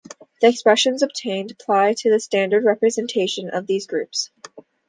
The expressions obtained apply to the standard representation of these groups.